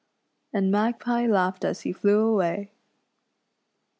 And Magpie laughed as he flew away.